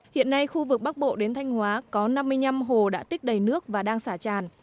hiện nay khu vực bắc bộ đến thanh hóa có năm mươi năm hồ đã tích đầy nước và đang xả tràn